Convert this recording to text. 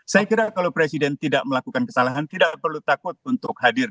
saya kira kalau presiden tidak melakukan kesalahan tidak perlu takut untuk hadir